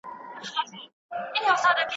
جنرالان چي راسره لکه زمریان وي